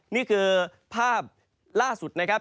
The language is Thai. นี่คือภาพล่าสุดนะครับ